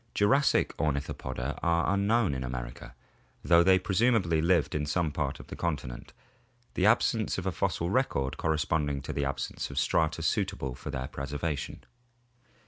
Jurassic Ornithopoda are unknown in America, though they presumably lived in some part of the continent, the absence of a fossil record corresponding to the absence of strata suitable for their preservation.